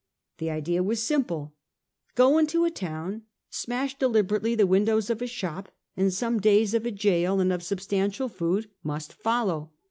The idea was simple : go into a town, smash deliberately the windows of a shop, and some days of a gaol and of substantial food must follow.